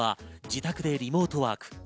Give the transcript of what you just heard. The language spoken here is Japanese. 夫は自宅でリモートワーク。